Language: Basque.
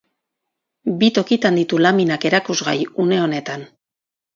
Bi tokitan ditu laminak erakusgai une honetan.